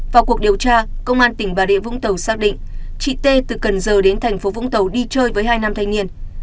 vào cuộc điều tra công an tỉnh bà rịa vũng tàu xác định chị t từ cần giờ đến thành phố vũng tàu đi chơi với hai nam thanh niên